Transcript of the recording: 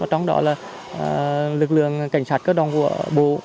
trong đó là lực lượng cảnh sát cơ động của bộ